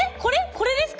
これですか？